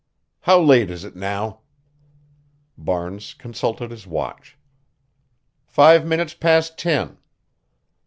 How late is it now?" Barnes consulted his watch. "Five minutes past ten."